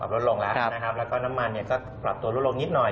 ลดลงแล้วนะครับแล้วก็น้ำมันก็ปรับตัวลดลงนิดหน่อย